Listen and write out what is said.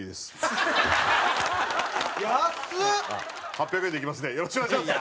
８００円で行きますのでよろしくお願いします！